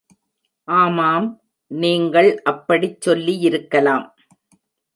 ஆமாம், நீங்கள் அப்படிச் சொல்லியிருக்கலாம்!